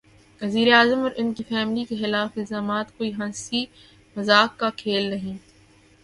وزیر اعظم اور ان کی فیملی کے خلاف الزامات کوئی ہنسی مذاق کا کھیل نہیں۔